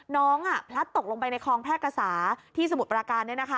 พลัดตกลงไปในคลองแพร่กษาที่สมุทรปราการ